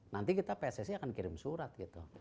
nanti pssc akan kirim surat gitu